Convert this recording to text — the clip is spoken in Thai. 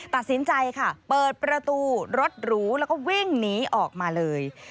ตัดสินใจค่ะเปิดประตูรถหรูแล้วก็วิ่งหนีออกมาเลย